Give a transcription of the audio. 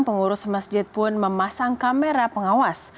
pengurus masjid pun memasang kamera pengawas